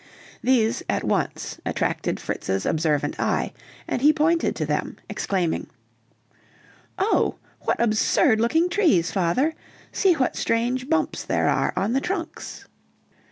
These at once attracted Fritz's observant eye, and he pointed, to them, exclaiming, "Oh, what absurd looking trees, father! See what strange bumps there are on the trunks."